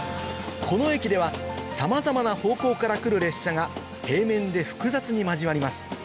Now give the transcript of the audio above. この駅ではさまざまな方向から来る列車が平面で複雑に交わります